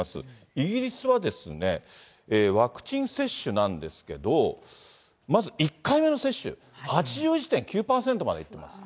イギリスは、ワクチン接種なんですけど、まず１回目の接種、８１．９％までいってます。